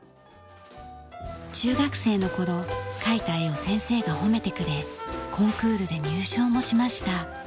中学生の頃描いた絵を先生が褒めてくれコンクールで入賞もしました。